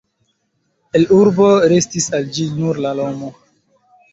El urbo restis al ĝi nur la nomo.